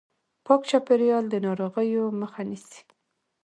پاک چاپیریال د ناروغیو مخه نیسي.